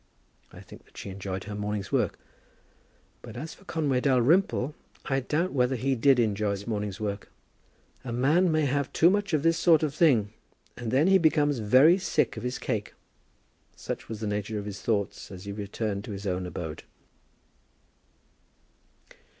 I think that she enjoyed her morning's work. But as for Conway Dalrymple, I doubt whether he did enjoy his morning's work. "A man may have too much of this sort of thing, and then he becomes very sick of his cake." Such was the nature of his thoughts as he returned to his own abode.